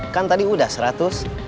kan tadi udah seratus